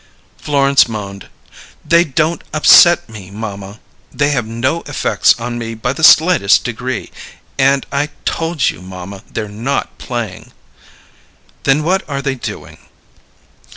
Florence moaned. "They don't 'upset' me, mamma! They have no effects on me by the slightest degree! And I told you, mamma, they're not 'playing'." "Then what are they doing?"